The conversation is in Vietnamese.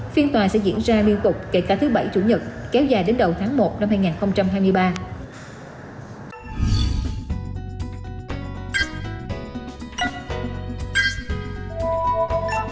phiên tòa sẽ diễn ra liên tục kể cả thứ bảy chủ nhật kéo dài đến đầu tháng một năm hai nghìn hai mươi ba